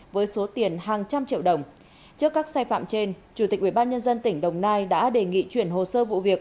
với số tiền hàng trăm triệu đồng trước các sai phạm trên chủ tịch ubnd tỉnh đồng nai đã đề nghị chuyển hồ sơ vụ việc